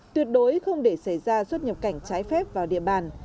tuyệt đối không để xảy ra xuất nhập cảnh trái phép vào địa bàn